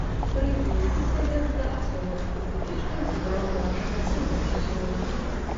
Прыгледзімся лепш да асобных спецыфічных з'яў нашага сінтаксісу.